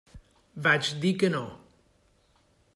Vaig dir que no.